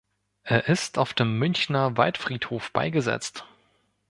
Er ist auf dem Münchner Waldfriedhof beigesetzt.